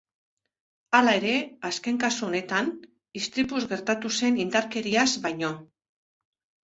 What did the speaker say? Hala ere, azken kasu honetan, istripuz gertatu zen indarkeriaz baino.